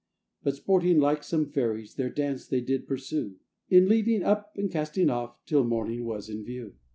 But sporting like some fairies, Their dance they did pursue, In leading up, and casting off, Till morning was in view.